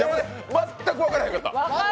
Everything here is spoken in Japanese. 全く分からんかった。